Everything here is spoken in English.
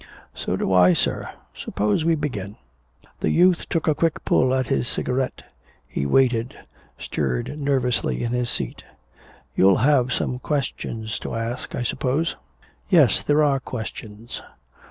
"So do I, sir. Suppose we begin." The youth took a quick pull at his cigarette. He waited, stirred nervously in his seat. "You'll have some questions to ask, I suppose " "Yes, there are questions."